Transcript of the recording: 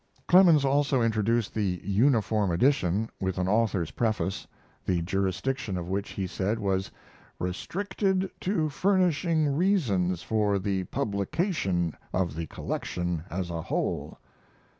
] Clemens also introduced the "Uniform Edition" with an Author's Preface, the jurisdiction of which, he said, was "restricted to furnishing reasons for the publication of the collection as a whole."